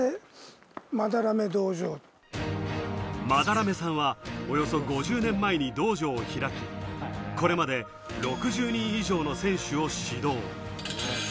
班目さんはおよそ５０年前に道場を開き、これまで６０人以上の選手を指導。